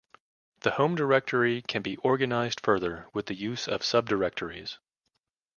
The home directory can be organized further with the use of sub-directories.